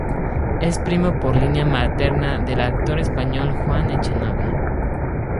Es primo, por línea materna, del actor español Juan Echanove.